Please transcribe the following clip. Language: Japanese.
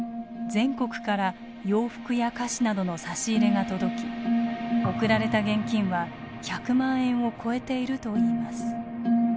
全国から洋服や菓子などの差し入れが届き送られた現金は１００万円を超えているといいます。